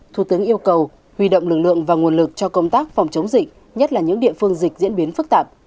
thủ tướng yêu cầu huy động lực lượng và nguồn lực cho công tác phòng chống dịch nhất là những địa phương dịch diễn biến phức tạp